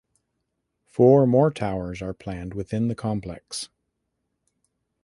Four more towers are planned within the complex.